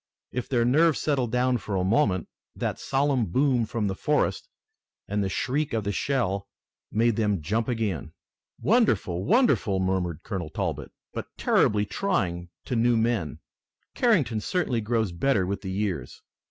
If their nerves settled down for a moment, that solemn boom from the forest and the shriek of the shell made them jump again. "Wonderful! Wonderful!" murmured Colonel Talbot, "but terribly trying to new men! Carrington certainly grows better with the years."